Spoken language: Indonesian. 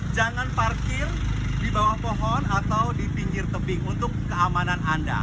jangan parkir di bawah pohon atau di pinggir tebing untuk keamanan anda